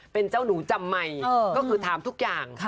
เป็นเจ้าหนูจำใหม่ก็คือถามทุกอย่าง